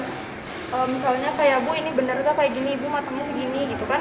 kalau misalnya kayak bu ini benar juga kayak gini ibu matengnya segini gitu kan